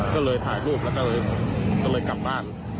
ก็เลยถ่ายรูปแล้วก็เลยกลับบ้าน